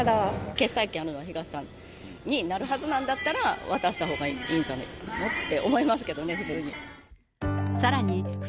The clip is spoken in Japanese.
決裁権があるのは東さんになるはずなんだったら、渡したほうがいいんじゃないのって思いますけどね、普通に。